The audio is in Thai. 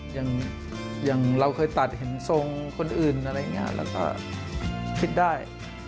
อย่างเราเคยตัดเห็นทรงคนอื่นอะไรอย่างนี้แล้วก็คิดได้